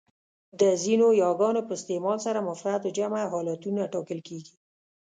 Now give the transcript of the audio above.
د ځینو یاګانو په استعمال سره مفرد و جمع حالتونه ټاکل کېږي.